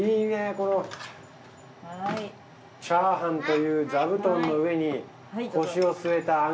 このチャーハンという座布団の上に腰をすえたあん。